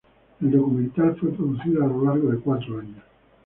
El documental fue producido a lo largo de cuatro años.